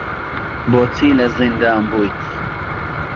بۆچی لە زیندان بوویت؟